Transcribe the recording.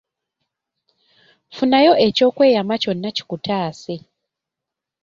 Funayo ekyokweyama kyonna kikutaase.